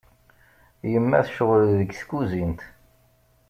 Yemma tecɣel deg tkuzint.